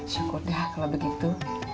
syukur dah kalau begitu